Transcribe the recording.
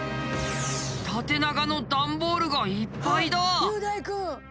縦長の段ボールがいっぱいだ。